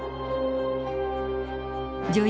女優